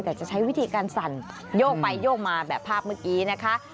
แต่จะใช้วิธีการสั่นโยกไปโยกมาแบบภาพเมื่อกี้นะคะ